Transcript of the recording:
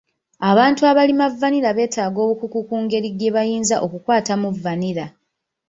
Abantu abalima vanilla beetaaga obukugu ku ngeri gye bayinza okukwatamu vanilla.